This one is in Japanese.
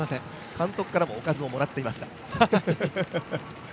監督からもおかずをもらっていました。